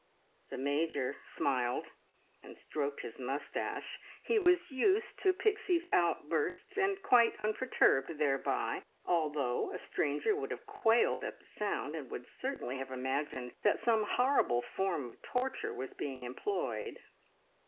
The Major smiled and stroked his moustache. He was used to Pixie's outbursts, and quite unperturbed thereby, although a stranger would have quailed at the sound, and would certainly have imagined that some horrible form of torture was being employed.